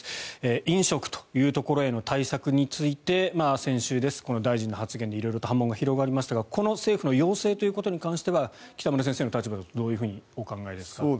飲食というところへの対策について先週、この大臣の発言で色々と波紋がありましたがこの政府の要請ということに関しては北村先生の立場だとどうお考えですか？